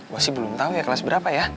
gue sih belum tahu ya kelas berapa ya